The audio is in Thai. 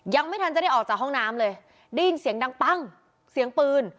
ยังไม่ทันจะได้ออกจากห้องน้ำเลยได้ยินเสียงดังปั้งเสียงปืน